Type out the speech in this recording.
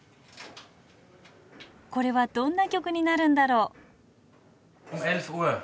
これはどんな曲になるんだろう。